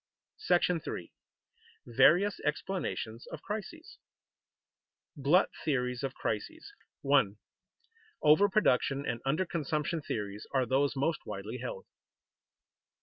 § III. VARIOUS EXPLANATIONS OF CRISES [Sidenote: Glut theories of crises] 1. _Over production and under consumption theories are those most widely held.